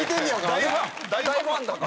大ファンだから。